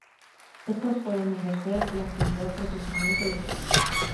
Éstos pueden ejercer la actividad profesional que deseen.